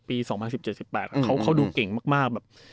ปี๒๐๑๗๑๘เขาดูเก่งมาก